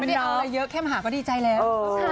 ได้เอาอะไรเยอะแค่มหาก็ดีใจแล้ว